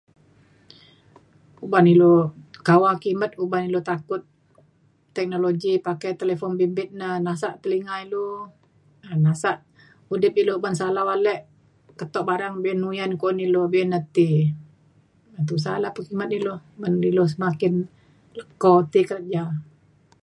uban ilu kawa kimet uban ilu takut teknologi pakai telefon bimbit na nasak telinga ilu um nasak udip ilu ban salau ale keto barang be’un uyan kuan ilu be’un na ti. um tusa la pekimet ilu ban ilu semakin leko ti kerja.